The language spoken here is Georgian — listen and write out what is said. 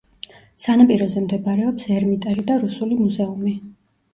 სანაპიროზე მდებარეობს ერმიტაჟი და რუსული მუზეუმი.